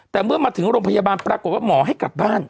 แต่เมื่อมาถึงโรงพยาบาลปรากฏว่าหมอให้กลับบ้าน